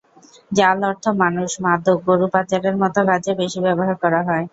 জাল অর্থ মানুষ, মাদক, গরু পাচারের মতো কাজে বেশি ব্যবহার করা হয়।